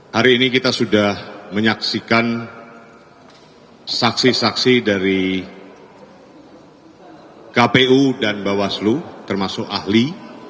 hari ini kita sudah menyaksikan saksi saksi dari kpu dan bawaslu termasuk ahli